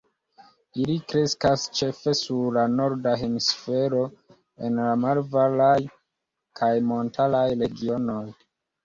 Ili kreskas ĉefe sur la norda hemisfero, en la malvarmaj kaj montaraj regionoj.